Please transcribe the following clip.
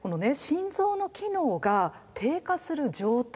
心臓の機能が低下する状態